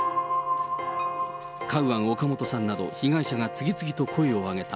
カウアン・オカモトさんなど、被害者が次々と声を上げた。